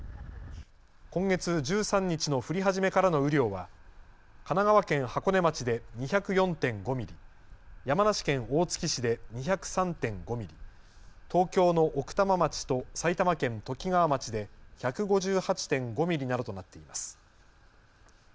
今月１３日の降り始めからの雨量は神奈川県箱根町で２０４．５ミリ、山梨県大月市で２０３．５ミリ、東京の奥多摩町と埼玉県ときがわ町で１５８．５ミリなどとなっています。